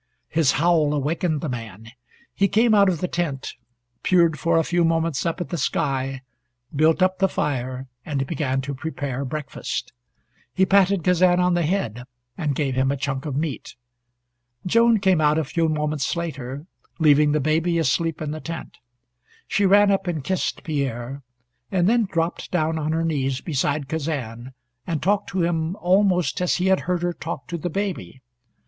His howl awakened the man. He came out of the tent, peered for a few moments up at the sky, built up the fire, and began to prepare breakfast. He patted Kazan on the head, and gave him a chunk of meat. Joan came out a few moments later, leaving the baby asleep in the tent. She ran up and kissed Pierre, and then dropped down on her knees beside Kazan, and talked to him almost as he had heard her talk to the baby.